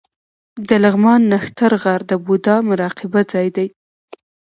د لغمان نښتر غار د بودا مراقبه ځای دی